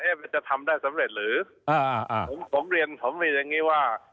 เอ๊ะจะทำได้สำเร็จหรือผมเรียนอย่างนี้ว่า